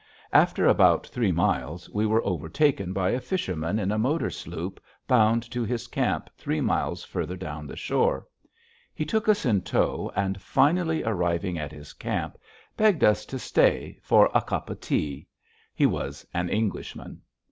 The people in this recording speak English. After about three miles we were overtaken by a fisherman in a motor sloop bound to his camp three miles further down the shore. He took us in tow and, finally arriving at his camp, begged us to stay "for a cup of tea" he was an Englishman.